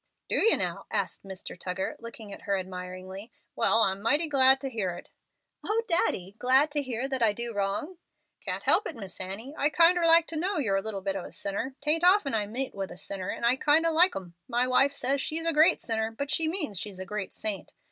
"Do you, now?" asked Mr. Tuggar, looking at her admiringly. "Well, I'm mighty glad to hear it." "O Daddy! glad to hear that I do wrong?" "Can't help it, Miss Annie. I kinder like to know you're a little bit of a sinner. 'Tain't often I meet with a sinner, and I kind o' like 'em. My wife says she's a 'great sinner,' but she means she's a great saint.